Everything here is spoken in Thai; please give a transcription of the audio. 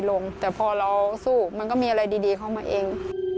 แล้วก่อนหน้านั้นขายที่ไหนบ้าง